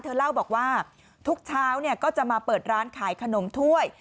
เธอเล่าบอกว่าทุกเช้าก็จะมาเปิดร้านขายขนมถ้วย